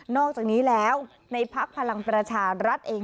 อกจากนี้แล้วในภักดิ์พลังประชารัฐเอง